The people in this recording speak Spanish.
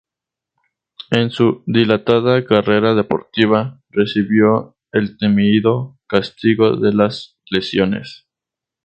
En su dilatada carrera deportiva, recibió el temido castigo de las lesiones.